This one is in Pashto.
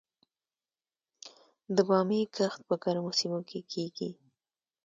د بامیې کښت په ګرمو سیمو کې کیږي؟